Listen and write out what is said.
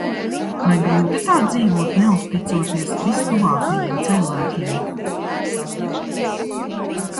Vai grūti tā dzīvot, neuzticoties vistuvākajiem cilvēkiem?